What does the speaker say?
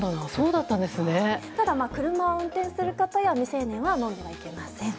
ただ、車を運転する方や未成年は飲んではいけません。